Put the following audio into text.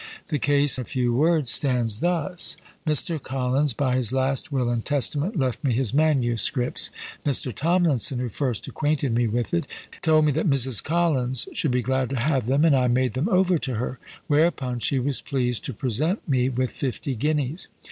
The case, in few words, stands thus: Mr. Collins by his last will and testament left me his manuscripts. Mr. Tomlinson, who first acquainted me with it, told me that Mrs. Collins should be glad to have them, and I made them over to her; whereupon she was pleased to present me with fifty guineas.